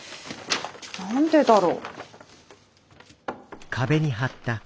何でだろ？